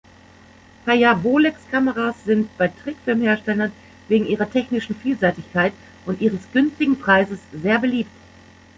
Paillard-Bolex-Kameras sind bei Trickfilm-Herstellern wegen ihrer technischen Vielseitigkeit und ihres günstigen Preises sehr beliebt.